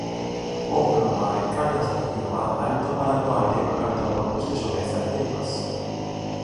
多くの場合、彼の作品はアルトパラグアイで書かれたものとして署名されています。